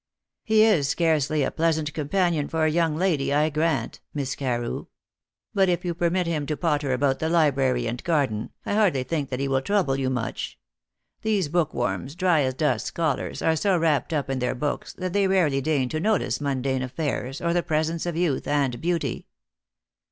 "He is scarcely a pleasant companion for a young lady, I grant, Miss Carew. But if you permit him to potter about the library and garden, I hardly think that he will trouble you much. These bookworms, dry as dust scholars, are so wrapped up in their books, that they rarely deign to notice mundane affairs, or the presence of youth and beauty."